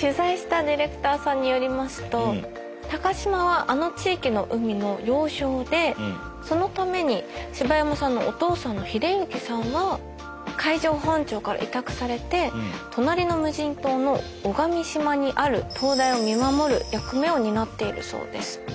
取材したディレクターさんによりますと高島はあの地域の海の要衝でそのために柴山さんのお父さんの英行さんは海上保安庁から委託されて隣の無人島の尾上島にある灯台を見守る役目を担っているそうです。